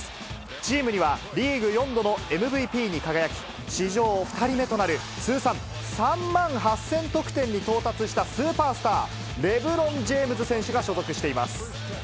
チームにはリーグ４度のＭＶＰに輝き、史上２人目となる通算３万８０００得点に到達したスーパースター、レブロン・ジェームズ選手が所属しています。